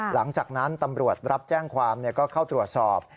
หลังจากนั้นตำรวจรับแจ้งความก็เข้าตรวจสอบ